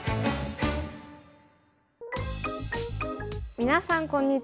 皆さんこんにちは。